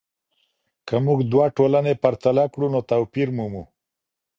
که موږ دوه ټولنې پرتله کړو نو توپیر مومو.